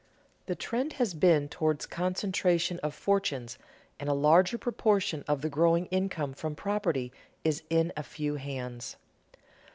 The trend has been toward concentration of fortunes and a larger proportion of the growing income from property is in a few hands.